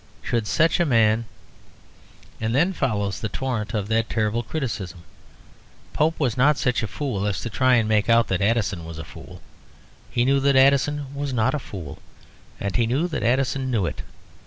Should such a man " And then follows the torrent of that terrible criticism. Pope was not such a fool as to try to make out that Addison was a fool. He knew that Addison was not a fool, and he knew that Addison knew it.